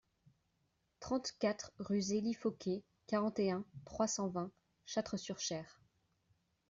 trente-quatre rue Zélie Fauquet, quarante et un, trois cent vingt, Châtres-sur-Cher